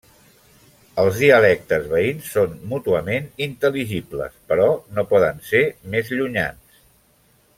Els dialectes veïns són mútuament intel·ligibles, però no poden ser més llunyans.